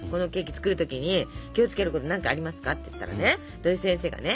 作る時に気をつけること何かありますか？」って言ったらね土井先生がね